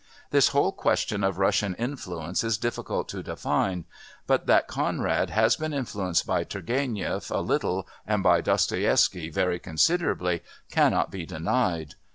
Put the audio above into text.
This whole question of Russian influence is difficult to define, but that Conrad has been influenced by Turgéniev a little and by Dostoievsky very considerably, cannot be denied.